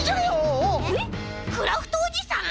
クラフトおじさん！？